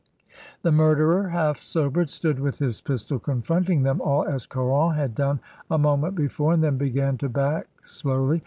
The murderer, half sobered, stood with his pistol coufronting them all, as Caron had done a moment before, and then began to back slowly.